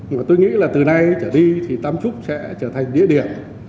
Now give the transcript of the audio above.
mà tôi nghĩ là từ nay trở đi thì tam trúc sẽ trở thành địa điểm